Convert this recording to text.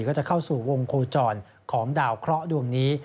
ก็จะเข้าสู่วงโคจรของดาวเคราะห์ดวงนี้